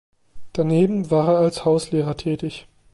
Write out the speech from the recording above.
Daneben war er als Hauslehrer tätig.